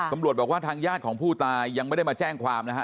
ตำรวจบอกว่าทางญาติของผู้ตายยังไม่ได้มาแจ้งความนะฮะ